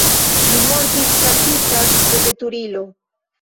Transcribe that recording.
Li mortis frapita de veturilo.